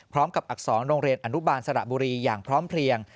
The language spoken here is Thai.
พร้อมกับอักษรโรงเรียนอนุบาลสระบุรีอย่างพร้อมเพลง